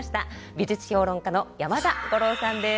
美術評論家の山田五郎さんです。